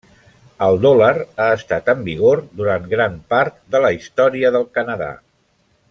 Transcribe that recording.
El dòlar ha estat en vigor durant gran part de la història del Canadà.